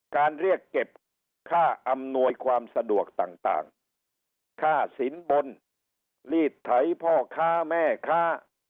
เรียกเก็บค่าอำนวยความสะดวกต่างค่าสินบนลีดไถพ่อค้าแม่ค้า